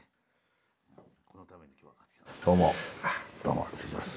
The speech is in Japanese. どうもどうも失礼します。